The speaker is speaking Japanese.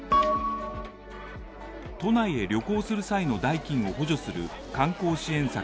都内へ旅行する際の代金を補助する観光支援策